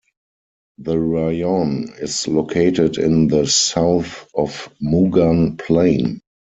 The rayon is located in the south of Mugan plain.